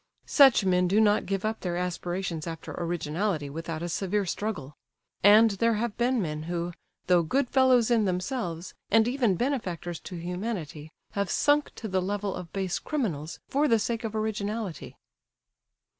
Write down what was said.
Such men do not give up their aspirations after originality without a severe struggle,—and there have been men who, though good fellows in themselves, and even benefactors to humanity, have sunk to the level of base criminals for the sake of originality).